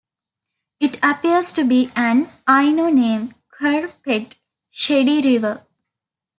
It appears to be an Ainu name, "kur pet" 'shady river'.